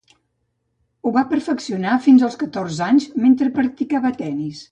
Ho va perfeccionar fins als catorze anys mentre practicava tennis.